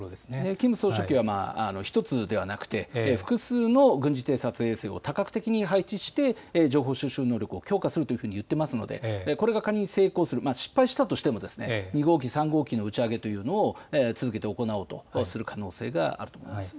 キム総書記は１つではなくて、複数の軍事偵察衛星を多角的に配置して、情報収集能力を強化するというふうに言っていますので、これが仮に成功する、失敗したとしてもですね、２号機、３号機の打ち上げというのを、続けて行おうとする可能性があると思います。